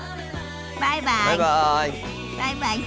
バイバイ。